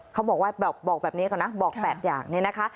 เขาบอกบอกแบบนี้ก่อนนะบอก๘อย่างนี้นะคะ